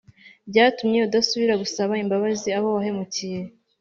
Byatumye adasubira gusaba imbabazi abo yahemukiye